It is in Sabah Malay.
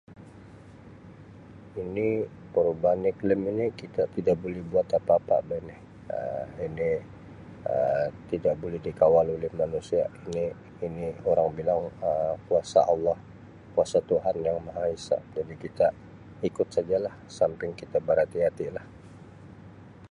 Ini perubahan iklim ini kita tidak buli buat apa-apa bah ni Um ini Um tidak buli dikawal oleh manusia ini ini orang bilang Um kuasa Allah kuasa Tuhan yang maha Esa jadi kita ikut saja lah disamping kita berhati-hati lah.